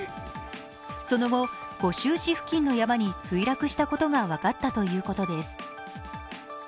その後、梧州市付近の山に墜落したことが分かったということです。